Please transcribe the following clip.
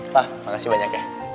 pak makasih banyak ya